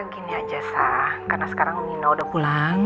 gini aja sah karena sekarang nina udah pulang